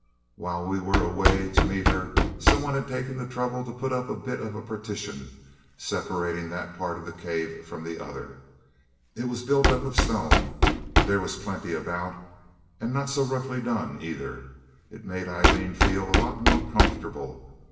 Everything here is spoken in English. While we were away to meet her some one had taken the trouble to put up a bit of a partition, separating that part of the cave from the other; it was built up of stone there was plenty about and not so roughly done either. It made Aileen feel a lot more comfortable.